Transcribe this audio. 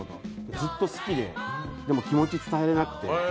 ずっと好きで、でも気持ち伝えられなくて。